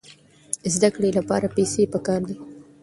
د زده کړې لپاره پیسې پکار دي.